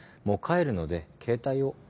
もう帰るので携帯を。